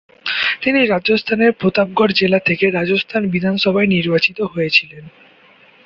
তিনি রাজস্থানের প্রতাপগড় জেলা থেকে রাজস্থান বিধানসভায় নির্বাচিত হয়েছিলেন।